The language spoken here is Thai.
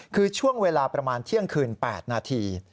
คือช่วงเวลาประมาณเที่ยงคืน๘นาที